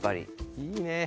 いいね。